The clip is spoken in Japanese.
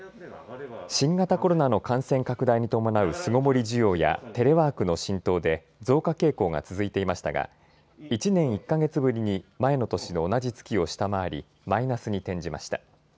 新型コロナの感染拡大に伴う巣ごもり需要やテレワークの浸透で増加傾向が続いていましたが１年１か月ぶりに前の年の同じ月を下回りマイナスに転じました。